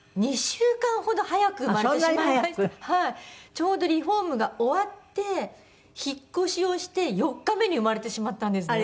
ちょうどリフォームが終わって引っ越しをして４日目に生まれてしまったんですね。